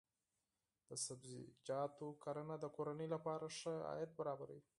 د سبزیجاتو کرنه د کورنۍ لپاره ښه عاید برابروي.